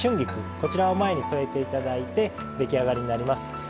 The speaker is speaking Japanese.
こちらを前に添えて頂いて出来上がりになります。